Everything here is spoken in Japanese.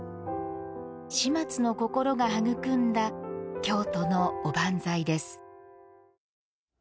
始末の心が育んだ京都のおばんざいです。